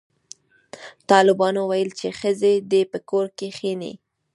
طالبانو ویل چې ښځې دې په کور کښېني